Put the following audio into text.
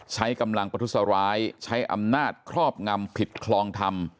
ใช้กำลังประทุษร้ายใช้อำนาจครอบงำผิดคลองธรรม